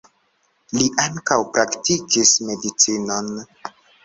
Li ankaŭ praktikis medicinon.